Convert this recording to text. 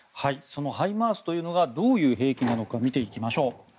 そのハイマースというのがどういう兵器なのか見ていきましょう。